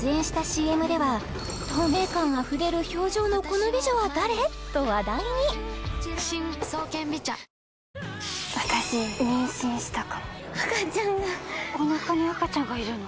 出演したＣＭでは透明感あふれる表情のこの美女は誰！？と話題に私妊娠したかも赤ちゃんがおなかに赤ちゃんがいるの？